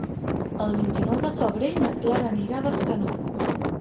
El vint-i-nou de febrer na Clara anirà a Bescanó.